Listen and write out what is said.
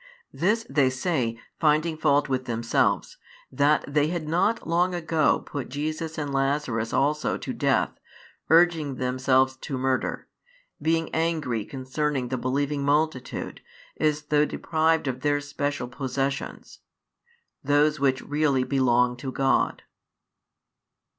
This they say, finding fault with themselves, that they had not long ago put Jesus and Lazarus also to death, urging themselves to murder; being angry concerning the believing multitude, as though deprived of their special possessions those which really belonged to God.